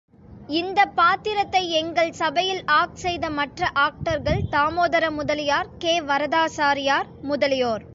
இந்தப் பாத்திரத்தை எங்கள், சபையில் ஆக்ட் செய்த மற்ற ஆக்டர்கள், தாமோதர முதலியார், கே. வரதாசாரியார் முதலியோர்.